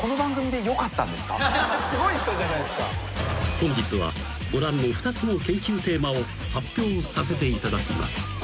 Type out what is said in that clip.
［本日はご覧の２つの研究テーマを発表させていただきます］